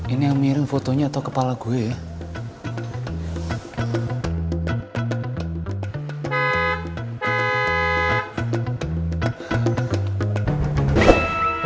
ini yang miring fotonya atau kepala gue ya